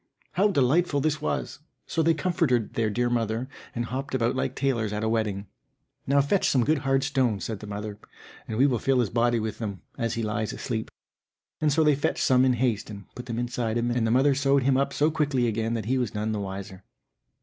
How delightful this was! so they comforted their dear mother and hopped about like tailors at a wedding. "Now fetch some good hard stones," said the mother, "and we will fill his body with them, as he lies asleep." And so they fetched some in all haste, and put them inside him, and the mother sewed him up so quickly again that he was none the wiser.